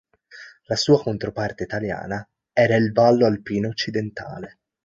La sua controparte italiana era il Vallo alpino occidentale.